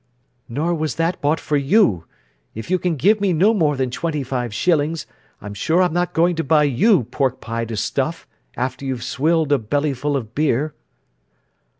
"Nor was that bought for you. If you can give me no more than twenty five shillings, I'm sure I'm not going to buy you pork pie to stuff, after you've swilled a bellyful of beer."